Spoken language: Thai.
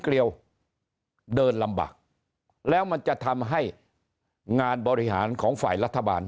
เกลียวเดินลำบากแล้วมันจะทำให้งานบริหารของฝ่ายรัฐบาล